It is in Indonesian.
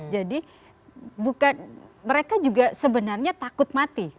jadi bukan mereka juga sebenarnya takut mati